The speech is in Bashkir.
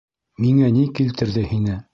Миңә ни килтерҙе һине?